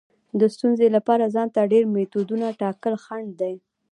د ستونزې لپاره ځان ته ډیر میتودونه ټاکل خنډ دی.